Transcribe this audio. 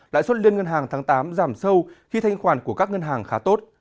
lãi suất liên ngân hàng tháng tám giảm sâu khi thanh khoản của các ngân hàng khá tốt